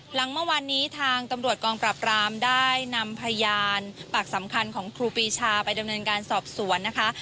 หลังเมื่อวานนี้ทางตำรวจกองปราบรามได้นำพยานปากสำคัญของครูปีชาไปดำเนินการสอบสวนนะคะ